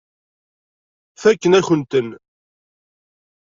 Fakken-akent-ten.